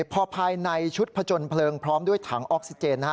พอภายในชุดผจญเพลิงพร้อมด้วยถังออกซิเจน